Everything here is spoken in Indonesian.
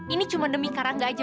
ini cuma demi karangga aja